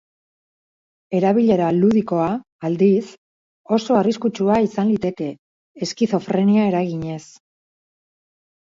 Erabilera ludikoa, aldiz, oso arriskutsua izan liteke, eskizofrenia eraginez.